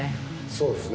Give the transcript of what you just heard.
そうですね。